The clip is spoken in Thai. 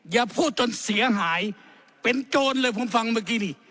อย่าพูดจนเสียหายเป็นโจรเลยผมฟังเมื่อกี้นี่